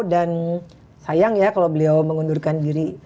dan sayang ya kalau beliau mengundurkan diri